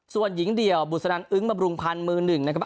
ส่วนหญิงเดี่ยวบุษนันอึ้งบำรุงพันธ์มือหนึ่งนะครับ